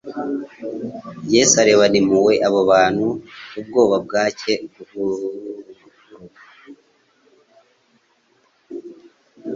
Yesu arebana impuhwe abo bantu ubwoba bwatcye guhuruga,